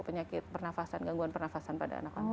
penyakit pernafasan gangguan pernafasan pada anak anak